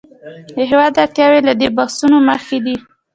د هېواد اړتیاوې له دې بحثونو مخکې دي.